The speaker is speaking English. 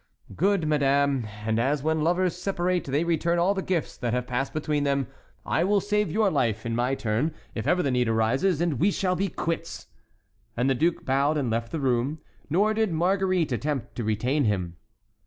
"Good, madame; and as when lovers separate, they return all the gifts that have passed between them, I will save your life, in my turn, if ever the need arises, and we shall be quits." And the duke bowed and left the room, nor did Marguerite attempt to retain him.